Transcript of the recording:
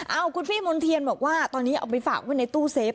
เอาคุณพี่มณ์เทียนบอกว่าตอนนี้เอาไปฝากไว้ในตู้เซฟ